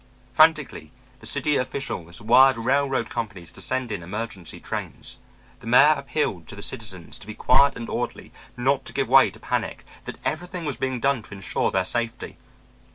Frantically, the city officials wired railroad companies to send in emergency trains. The mayor appealed to the citizens to be quiet and orderly, not to give way to panic, that everything was being done to insure their safety.